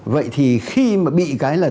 vậy thì khi mà bị cái là